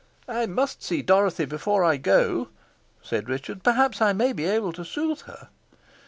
"I must see Dorothy before I go," said Richard; "perhaps I may be able to soothe her."